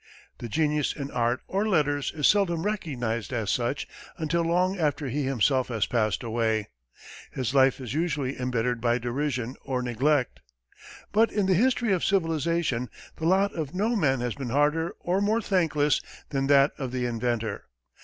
The genius in art or letters is seldom recognized as such until long after he himself has passed away his life is usually embittered by derision or neglect. But, in the history of civilization, the lot of no man has been harder or more thankless than that of the inventor.